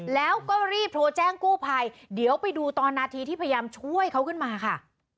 แล้วก็รีบโทรแจ้งกู้ภัยเดี๋ยวไปดูตอนนาทีที่พยายามช่วยเขาขึ้นมาค่ะ